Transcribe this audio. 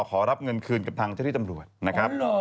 ขอรับเงินคืนกับทางเจ้าที่ตำรวจนะครับ